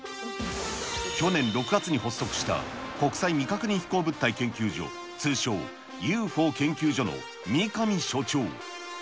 去年６月に発足した、国際未確認飛行物体研究所、通称、ＵＦＯ研究所の三上所長。